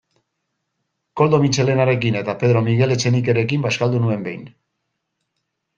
Koldo Mitxelenarekin eta Pedro Miguel Etxenikerekin bazkaldu nuen behin.